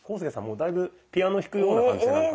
もうだいぶピアノ弾くような感じなんか。